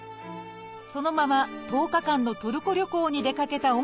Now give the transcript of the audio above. そのまま１０日間のトルコ旅行に出かけた緒方さん。